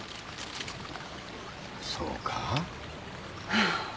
そうかあ？